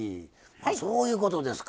あそういうことですか。